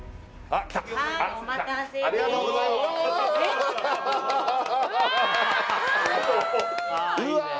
ありがとうございますおおっ！